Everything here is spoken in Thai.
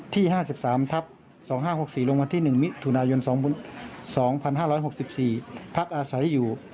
ที่๕๓ทับ๒๕๖๔ลงวันที่๑มิถุนายน๒๕๖๔พักอาศัยอยู่